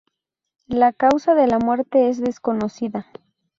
La causa de la muerte es desconocida.